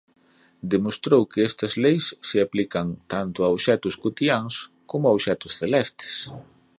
Demostrou que estas leis se aplican tanto a obxectos cotiáns como a obxectos celestes.